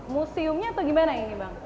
museumnya atau gimana ini bang